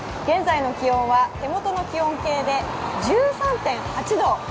現在の気温は、手元の気温計で１３．８度。